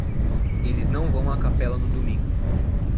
Eles não vão à capela no domingo.